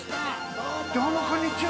どうも、こんにちは。